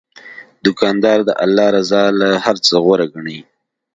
دوکاندار د الله رضا له هر څه غوره ګڼي.